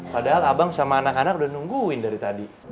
padahal abang sama anak anak udah nungguin dari tadi